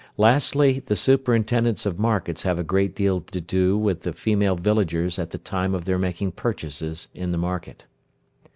Lastly the superintendents of markets have a great deal to do with the female villagers at the time of their making purchases in the market.